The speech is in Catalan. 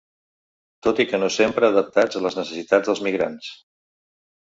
Tot i que no sempre adaptats a les necessitats dels migrants.